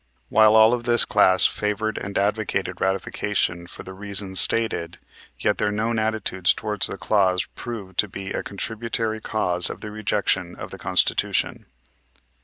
While all of this class favored and advocated ratification for the reasons stated, yet their known attitude towards the clause proved to be a contributary cause of the rejection of the Constitution.